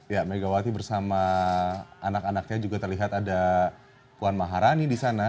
ya megawati bersama anak anaknya juga terlihat ada puan maharani di sana